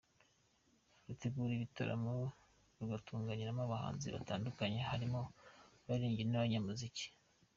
rutegura ibitaramo rugatumiramo abahanzi batandukanye harimo abaririmbyi n'abanyamuziki.